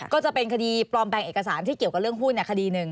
ก็จะเป็นคดีปลอมแปลงเอกสารที่เกี่ยวกับเรื่องหุ้นคดีหนึ่ง